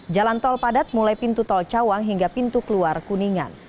jalan tol padat mulai pintu tol cawang hingga pintu keluar kuningan